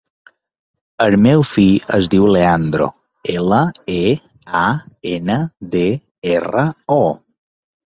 El meu fill es diu Leandro: ela, e, a, ena, de, erra, o.